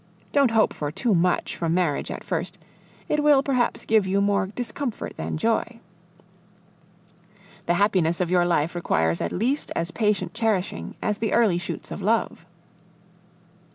Don't hope for too much from marriage at first; it will perhaps give you more discomfort than joy. The happiness of your life requires at least as patient cherishing as the early shoots of love.